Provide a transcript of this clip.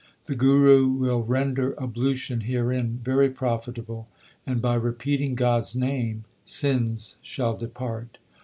1 The Guru will render ablution herein very profitable, And by repeating God s name sins shall depart.